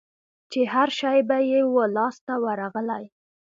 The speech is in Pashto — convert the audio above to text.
چي هرشی به یې وو لاس ته ورغلی